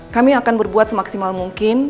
kami akan berbuat semaksimal mungkin